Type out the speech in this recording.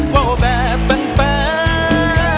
โว้วแบบแปลน